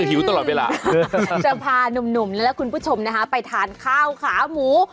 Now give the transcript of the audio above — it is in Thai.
หิวตลอดเวลาจะพานุ่มและคุณผู้ชมไปทานข้าวขาหมู